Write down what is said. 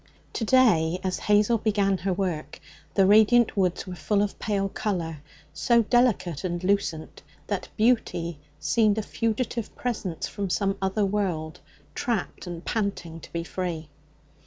To day, as Hazel began her work, the radiant woods were full of pale colour, so delicate and lucent that Beauty seemed a fugitive presence from some other world trapped and panting to be free.